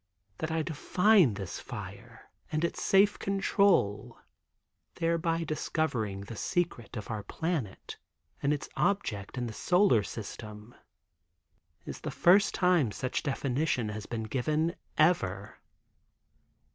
That I define this fire, and its safe control, thereby discovering the secret of our planet, and its object in the solar system, is the first time such definition has been given ever.